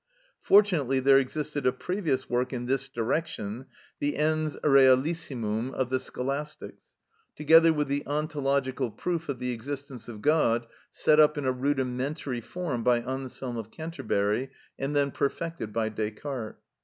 Fortunately there existed a previous work in this direction, the ens realissimum of the Scholastics, together with the ontological proof of the existence of God set up in a rudimentary form by Anselm of Canterbury and then perfected by Descartes.